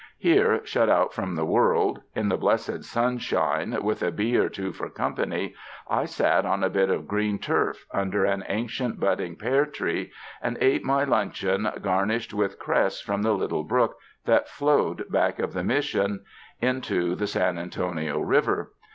Here, shut out from the world, in the blessed sunshine, with a bee or two for company, I sat on a bit of green turf under an ancient budding pear tree and ate my luncheon garnished with cress from the little brook that flowed back of the Mission into the San Antonio 149 UNDER THE SKY IN CALIFORNIA river.